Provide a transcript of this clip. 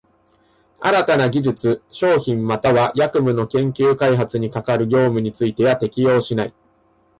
新たな技術、商品又は役務の研究開発に係る業務については適用しない。